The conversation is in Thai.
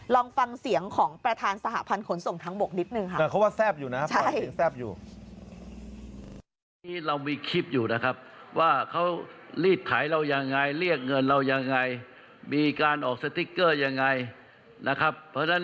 ลองฟังเสียงของประธานสหพันธ์ขนส่งทางบกนิดนึงค่ะ